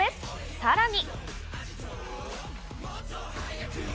さらに。